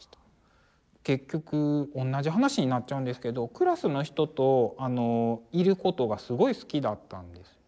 結局おんなじ話になっちゃうんですけどクラスの人といることがすごい好きだったんです。